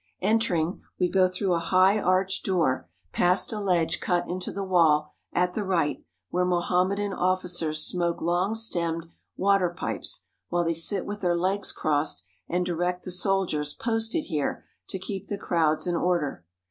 Entering, we go through a high arched door past a ledge cut into the wall at the right where Mohammedan officers smoke long stemmed water pipes while they sit with their legs crossed and direct the soldiers posted here to keep the crowds in order.